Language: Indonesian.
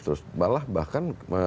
terus malah bahkan